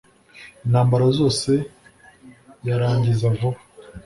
intambara zose yarangiza vuba